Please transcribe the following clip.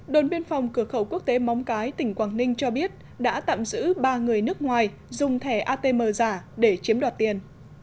đồn biên phòng cửa khẩu quốc tế móng cái tỉnh quảng ninh cho biết đã tạm giữ ba người nước ngoài dùng thẻ atm giả để chiếm đoạt tiền